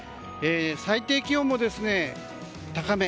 最低気温も高め。